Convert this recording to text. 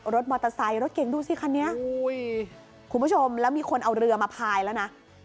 รถมอเตอร์ไซค์รถเก่งดูสิคันนี้คุณผู้ชมแล้วมีคนเอาเรือมาพายแล้วนะ